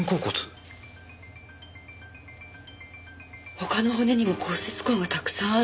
他の骨にも骨折痕がたくさんある。